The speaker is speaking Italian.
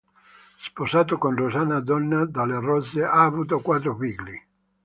Sposato con Rosanna Donà dalle Rose, ha avuto quattro figli.